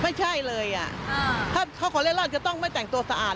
ไม่ใช่เลยอ่ะถ้าเขาขอเล่นราชจะต้องไม่แต่งตัวสะอาด